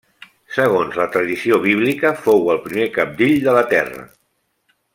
Segons la tradició bíblica fou el primer cabdill de la Terra.